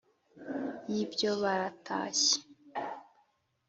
Y ibyo baratashye